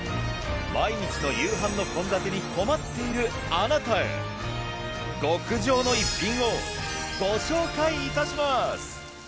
毎日の夕飯の献立に困っているあなたへ極上の逸品をご紹介いたします。